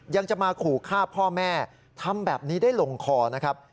ยังจะมาขู่ฆ่าพ่อแม่ทำแบบนี้ได้ลงคอนะครับ